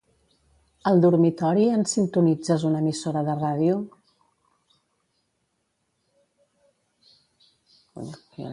Al dormitori ens sintonitzes una emissora de ràdio?